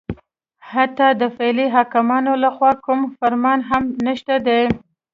حتی د فعلي حاکمانو لخوا کوم فرمان هم نشته دی